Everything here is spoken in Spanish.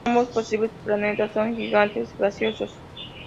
Ambos posibles planetas son gigante gaseosos.